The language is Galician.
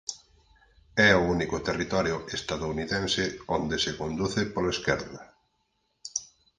É o único territorio estadounidense onde se conduce pola esquerda.